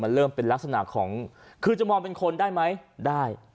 มันเริ่มเป็นลักษณะของคือจะมองเป็นคนได้ไหมได้